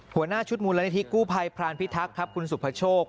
หัวหน้าชุดมูลนิธิกู้ภัยพรานพิทักษ์ครับคุณสุภโชค